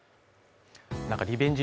リベンジ